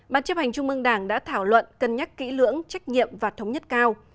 ban chấp hành trung mương đảng đã thảo luận cân nhắc kỹ lưỡng trách nhiệm và thống nhất cao